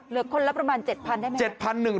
เหลือคนละประมาณ๗๐๐ได้ไหม